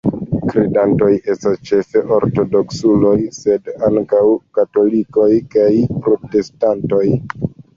Kredantoj estas ĉefe ortodoksuloj, sed ankaŭ katolikoj kaj protestantoj.